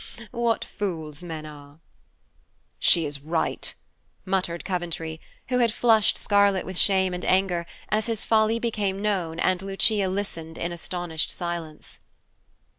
What fools men are!" "She is right!" muttered Coventry, who had flushed scarlet with shame and anger, as his folly became known and Lucia listened in astonished silence.